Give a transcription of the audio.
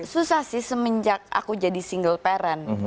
susah sih semenjak aku jadi single parent